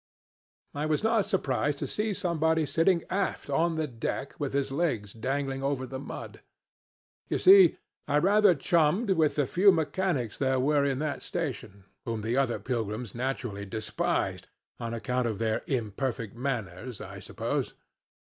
"I was not surprised to see somebody sitting aft, on the deck, with his legs dangling over the mud. You see I rather chummed with the few mechanics there were in that station, whom the other pilgrims naturally despised on account of their imperfect manners, I suppose.